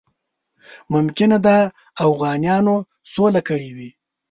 ممکنه ده اوغانیانو سوله کړې وي.